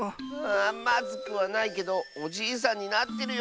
まずくはないけどおじいさんになってるよ。